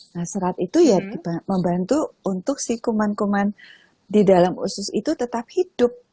nah serat itu ya membantu untuk si kuman kuman di dalam usus itu tetap hidup